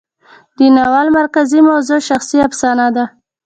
د ناول مرکزي موضوع شخصي افسانه ده.